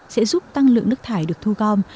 sẽ giúp tăng lượng nước thải được thu gom